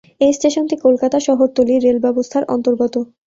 এই স্টেশনটি কলকাতা শহরতলি রেল ব্যবস্থার অন্তর্গত।